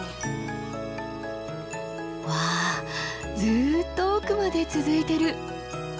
うわずっと奥まで続いてる。